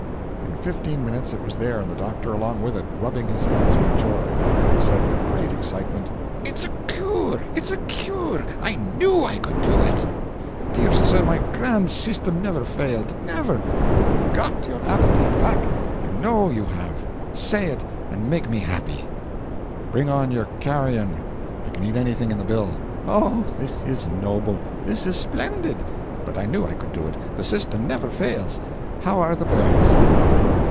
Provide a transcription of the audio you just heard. In fifteen minutes it was there; and the doctor along with it, rubbing his hands with joy. He said with great excitement: 'It's a cure, it's a cure! I knew I could do it. Dear sir, my grand system never failed never. You've got your appetite back you know you have; say it and make me happy.' 'Bring on your carrion I can eat anything in the bill!' 'Oh, this is noble, this is splendid but I knew I could do it, the system never fails. How are the birds?'